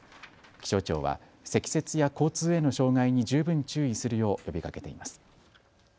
気象庁は積雪や交通への障害に十分注意するよう呼びかけています。